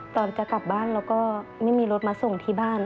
ตอนจะกลับบ้านเราก็ไม่มีรถมาส่งที่บ้าน